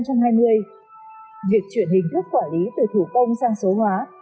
việc chuyển hình thức quản lý từ thủ công sang số hóa